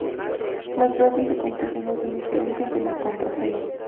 Las frases de contraseña son diferentes de las contraseñas.